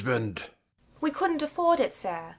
We couldnt afford it, sir.